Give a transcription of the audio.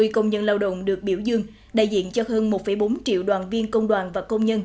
năm mươi công nhân lao động được biểu dương đại diện cho hơn một bốn triệu đoàn viên công đoàn và công nhân